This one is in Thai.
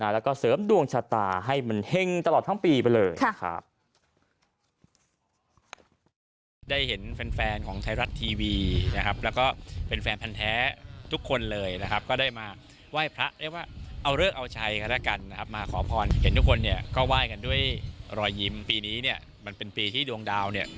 แล้วก็เสริมดวงชะตาให้มันเฮ่งตลอดทั้งปีไปเลย